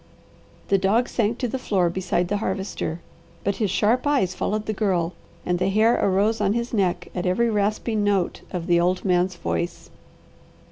The dog sank to the floor beside the Harvester, but his sharp eyes followed the Girl, and the hair arose on his neck at every rasping note of the old man's voice.